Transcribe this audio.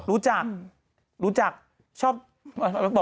รู้จักรู้จักชอบเอาล่ะบอกเกือบ